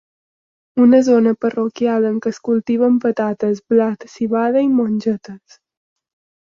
Una zona parroquial en què es cultiven patates, blat, civada i mongetes.